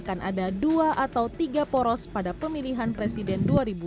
akan ada dua atau tiga poros pada pemilihan presiden dua ribu dua puluh